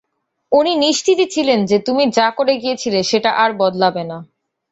উনি নিশ্চিতই ছিলেন যে তুমি যা করে গিয়েছিলে সেটা আর বদলাবে না।